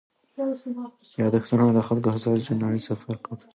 یادښتونه خلکو هڅول چې د نړۍ سفر وکړي.